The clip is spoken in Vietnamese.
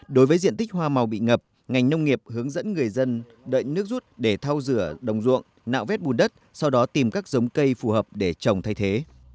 đối với diện tích hoa màu bị ngập ngành nông nghiệp hướng dẫn người dân đợi nước rút để thao rửa đồng ruộng nạo vét bùn đất sau đó tìm các giống cây phù hợp để trồng thay thế